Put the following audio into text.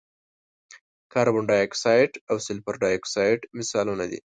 کاربن ډای اکسایډ او سلفر ډای اکساید مثالونه دي.